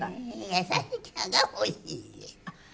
優しさが欲しいんです。